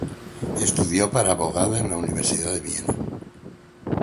Estudió para abogada en la Universidad de Viena.